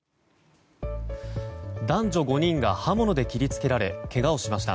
男女５人が刃物で切り付けられけがをしました。